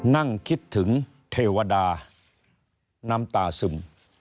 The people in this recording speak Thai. นั่งคิดถึงเทวดาน้ำตาซึม